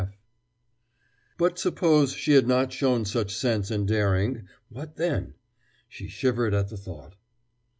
F." But suppose she had not shown such sense and daring, what then? She shivered at the thought.